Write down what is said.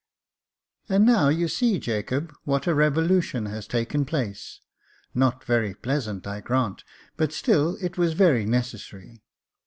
And now you see, Jacob, what a revolution has taken place J not very pleasant, I grant, but still it was very Jacob Faithful 285 necessary.